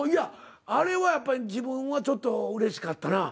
あれはやっぱり自分はちょっとうれしかったな。